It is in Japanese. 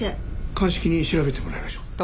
鑑識に調べてもらいましょう。